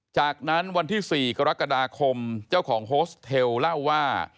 จากนั้นวันที่๔กรกฎาคมเจ้าของโฮสเทลเล่าว่า